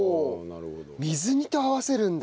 水煮と合わせるんだ。